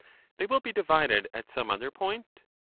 They will be divided at some other point.